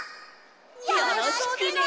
よろしくね！